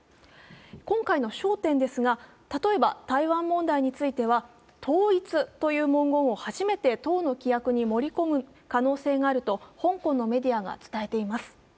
今回の焦点ですが例えば台湾問題については統一という文言を初めて党の規約に盛り込む可能性があると香港のメディアが伝えています。